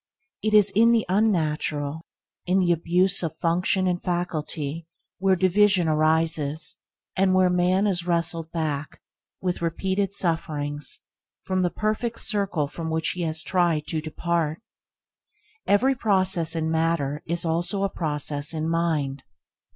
It is in the unnatural in the abuse of function and faculty – where division arises, and where main is wrested back, with repeated sufferings, from the perfect circle from which he has tried to depart. Every process in matter is also a process in mind.